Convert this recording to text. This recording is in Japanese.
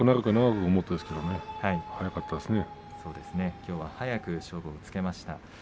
きょうは早く決着をつけました。